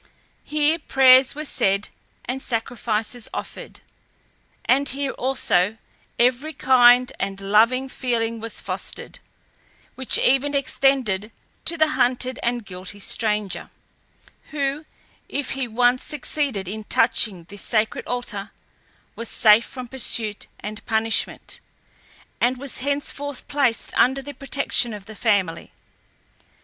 Here prayers were said and sacrifices offered, and here also every kind and loving feeling was fostered, which even extended to the hunted and guilty stranger, who, if he once succeeded in touching this sacred altar, was safe from pursuit and punishment, and was henceforth placed under the protection of the family.